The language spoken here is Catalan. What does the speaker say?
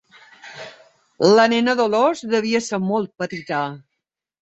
La nena Dolors devia ser molt petita.